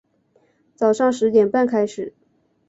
早上十点半开始